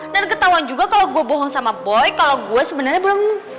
dan ketauan juga kalau gue bohong sama boy kalau gue sebenarnya belum